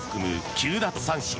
９奪三振。